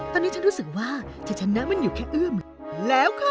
ตอนนี้ฉันรู้สึกว่าฉันชนะมันอยู่แค่เอื้อมแล้วค่ะ